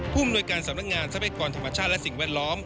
ภูมิหน่วยการสำนักงานทรัพยากรธรรมชาติและสิ่งแวดล้อม